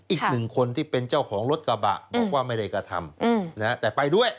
อีกหนึ่งคนที่เป็นเจ้าของรถกระบะบอกว่าไม่ได้กระทำแต่ไปด้วย